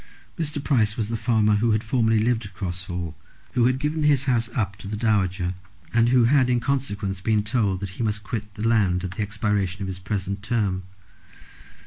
Mr. Price was the farmer who had formerly lived at Cross Hall, who had given his house up to the Dowager, and who had in consequence been told that he must quit the land at the expiration of his present term.